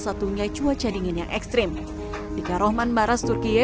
satunya cuaca dingin yang ekstrim di karo manmaras turkiye